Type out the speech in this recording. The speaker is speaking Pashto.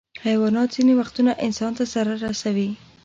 حیوانات ځینې وختونه انسان ته ضرر رسوي.